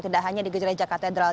tidak hanya di gereja katedral